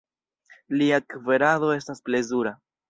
Ilia kverado estas plezura.